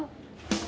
kamu hebat banget